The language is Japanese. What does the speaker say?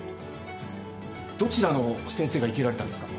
どちらの先生が生けられたんですか？